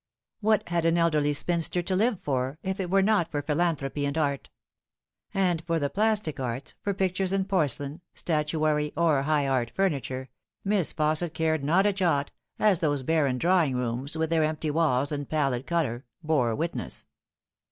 What had an elderly spinster to live for if it were not philanthropy and art? And for the plastic arts for pictures and porcelain, statuary or high art furniture Miss Fausset cared not a jot, as those barren drawing rooms, with their empty walls and pallid colour, bore witness.